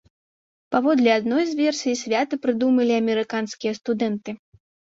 Паводле адной з версій, свята прыдумалі амерыканскія студэнты.